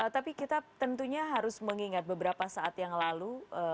tapi kita tentunya harus mengingat beberapa saat yang lalu